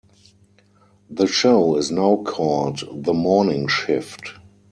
The show is now called "The Morning Shift".